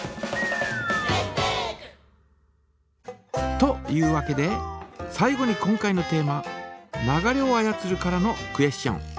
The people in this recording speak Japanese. というわけで最後に今回のテーマ「流れを操る」からのクエスチョン。